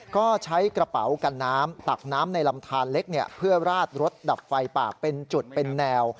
ก็ใช้กระเป๋ากันน้ำตักน้ำในลำทานเล็กเพื่อราดรถดับไฟป่าเป็นจุดเป็นแนว